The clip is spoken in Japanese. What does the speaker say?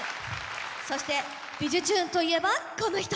そして「びじゅチューン！」といえばこの人！